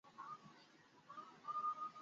আপনার রাজ্যে আমাদের একদল দুষ্ট যুবক আশ্রয় নিয়েছে।